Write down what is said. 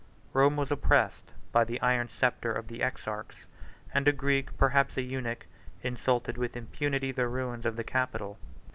Rome was oppressed by the iron sceptre of the exarchs, and a Greek, perhaps a eunuch, insulted with impunity the ruins of the Capitol.